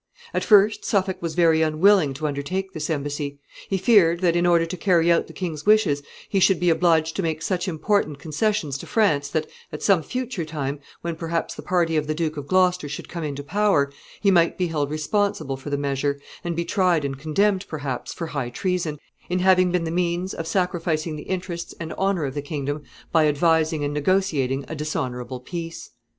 At first Suffolk was very unwilling to undertake this embassy. He feared that, in order to carry out the king's wishes, he should be obliged to make such important concessions to France that, at some future time, when perhaps the party of the Duke of Gloucester should come into power, he might be held responsible for the measure, and be tried and condemned, perhaps, for high treason, in having been the means of sacrificing the interests and honor of the kingdom by advising and negotiating a dishonorable peace.